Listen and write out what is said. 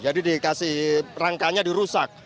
jadi dikasih rangkanya dirusak